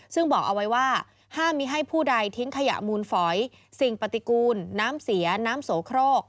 ซึ่งบอกเอาไว้ว่าห้ามมีให้ผู้ใดทิ้งขยะมูลฝอยสิ่งปฏิกูลน้ำเสียน้ำโสโครก